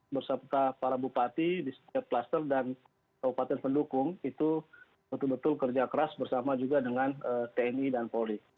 bersama para bupati di setiap klaster dan kabupaten pendukung itu betul betul kerja keras bersama juga dengan tni dan polri